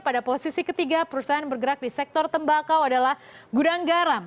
pada posisi ketiga perusahaan bergerak di sektor tembakau adalah gudang garam